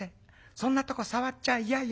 そんなとこ触っちゃ嫌よ」。